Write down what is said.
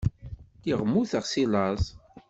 Lliɣ mmuteɣ seg laẓ.